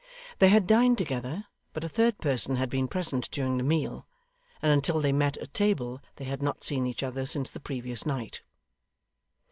They had dined together, but a third person had been present during the meal, and until they met at table they had not seen each other since the previous night.